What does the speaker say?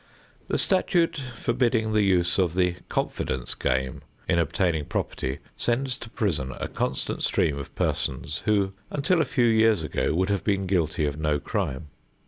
The statute forbidding the use of the "confidence game" in obtaining property sends to prison a constant stream of persons who, until a few years ago, would have been guilty of no crime.